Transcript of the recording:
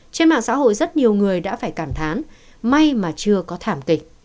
trên mạng xã hội rất nhiều người đã phải cảm thán may mà chưa có thảm kịch